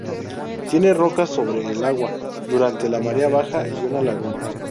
Tiene rocas sobre el agua durante la marea baja y una laguna.